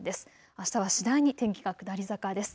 あしたは次第に天気が下り坂です。